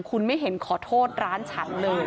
คุณไม่เห็นขอโทษร้านฉันเลย